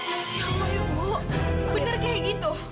ya allah ibu benar kayak gitu